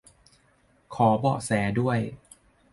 ขอเบาะแสด้วย